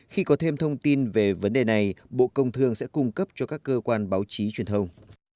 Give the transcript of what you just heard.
khi có thêm thông tin về vấn đề này bộ công thương sẽ cung cấp cho các cơ quan báo chí truyền thông